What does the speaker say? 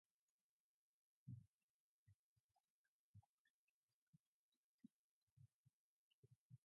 West-facing windows were sometimes kept closed to keep them out.